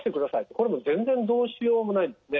これ全然どうしようもないですね。